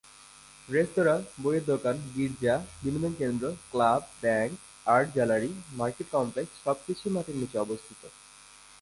রেস্তোরাঁ, বইয়ের দোকান, গির্জা, বিনোদন কেন্দ্র, club, bank, art gallery, market complex সব কিছুই মাটির নিচে অবস্থিত।